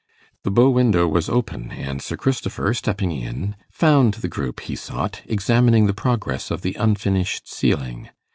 The bow window was open, and Sir Christopher, stepping in, found the group he sought, examining the progress of the unfinished ceiling.